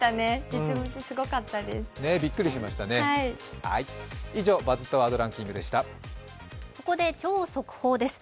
実物すごかったです。